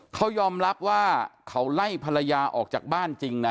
เขายอมรับว่าเขาไล่ภรรยาออกจากบ้านจริงนะ